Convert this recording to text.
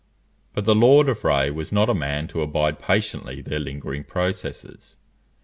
But the Lord of Rays was not a man to abide patiently their lingering processes.